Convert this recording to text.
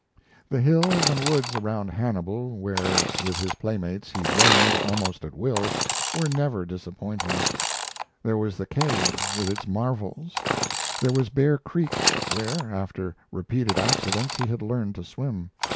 The hills and woods around Hannibal where, with his playmates, he roamed almost at will were never disappointing. There was the cave with its marvels; there was Bear Creek, where, after repeated accidents, he had learned to swim.